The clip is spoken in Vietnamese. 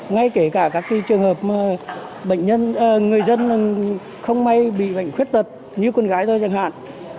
ngay kể cả các trường hợp bệnh người dân không may bị bệnh khuyết tật như con gái thôi chẳng hạn